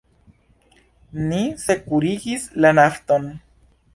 Ni sekurigis la Nafton.